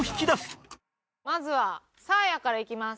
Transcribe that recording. まずはサーヤからいきます。